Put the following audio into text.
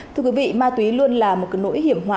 thưa quý vị ma túy luôn là một cái nỗi hiểm họa